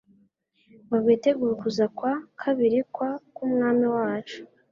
ngo bwitegure ukuza kwa kabiri kwa k’Umwami wacu.